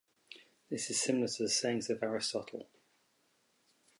This is similar to the sayings of Aristotle.